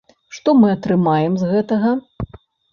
Што мы атрымаем з гэтага?